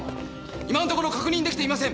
今のところ確認出来ていません！